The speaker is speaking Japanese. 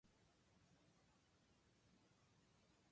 もっと褒めてください